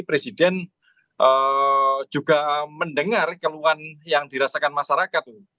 presiden juga mendengar keluhan yang dirasakan masyarakat